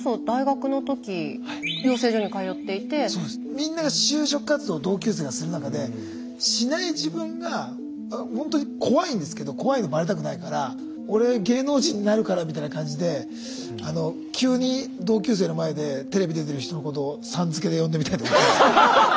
みんなが就職活動同級生がする中でしない自分がほんとに怖いんですけど怖いのバレたくないから俺芸能人になるからみたいな感じで急に同級生の前でテレビ出てる人のことをさん付けで呼んでみたりとか。